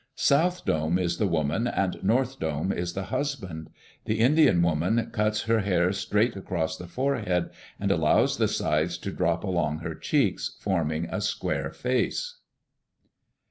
South Dome is the woman and North Dome is the husband. The Indian woman cuts her hair straight across the forehead, and allows the sides to drop along her cheeks, forming a square face.